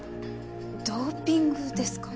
ドーピングですか？